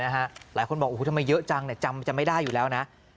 หลายคนบอกโอ้โหทำไมเยอะจังจำไม่ได้อยู่แล้วนะ